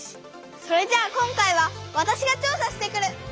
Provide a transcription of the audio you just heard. それじゃあ今回はわたしが調さしてくる！